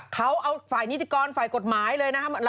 เขาเอาฝ่ายนิติกรฝ่ายกฎหมายเลยนะครับ